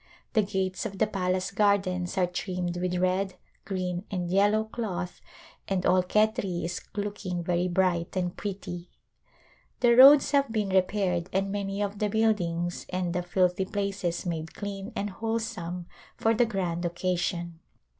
The gates of the pal ace gardens are trimmed with red, green and yellow cloth and all Khetri is looking very bright and pretty. The roads have been repaired and many of the build ings and the filthy places made clean and wholesome for the grand occasion.